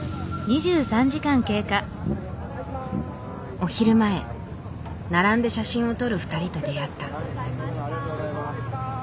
お昼前並んで写真を撮る２人と出会った。